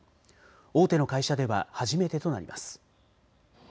大手の会社では初めてとなります。